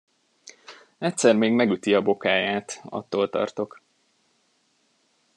Egyszer még megüti a bokáját, attól tartok.